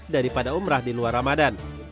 daripada umrah di luar ramadan